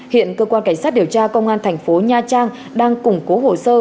hiện cơ quan cảnh sát điều tra công an thành phố nha trang đang củng cố hồ sơ